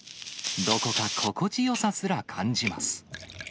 どこか心地よさすら感じます。